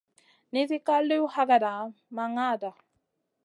Nizi ka liw hakada ma ŋada.